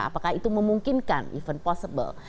apakah itu memungkinkan even possible